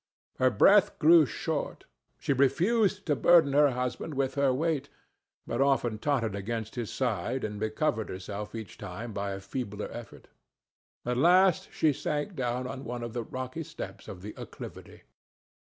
Her breath grew short. She refused to burden her husband with her weight, but often tottered against his side, and recovered herself each time by a feebler effort. At last she sank down on one of the rocky steps of the acclivity.